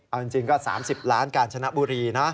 เอาจริงก็๓๐ล้านกาญชนะบุรีนะ